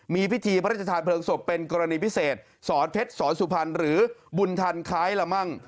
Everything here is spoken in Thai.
มีพิธีพระราชทานเพลิงศพเป็นกรณีพิเศษสอนเพชรสอนสุพรรณหรือบุญทันคล้ายละมั่ง